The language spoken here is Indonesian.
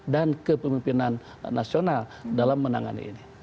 dan kepemimpinan nasional dalam menangani ini